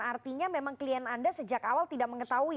artinya memang klien anda sejak awal tidak mengetahui